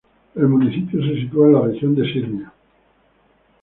El municipio se sitúa en la región de Sirmia.